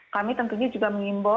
kami tentunya juga mengimbau